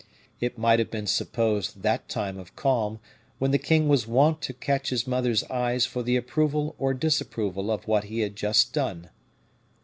It might have been supposed that time of calm when the king was wont to watch his mother's eyes for the approval or disapproval of what he had just done.